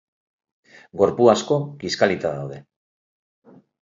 Gorpu asko kiskalita daude.